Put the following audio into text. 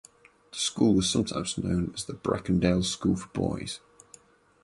The school was sometimes known as Bracondale School for Boys.